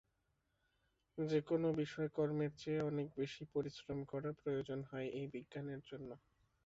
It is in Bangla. যে-কোন বিষয়কর্মের চেয়ে অনেক বেশী পরিশ্রম করা প্রয়োজন হয় এই বিজ্ঞানের জন্য।